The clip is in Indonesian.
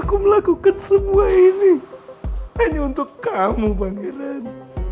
aku melakukan semua ini hanya untuk kamu pangeran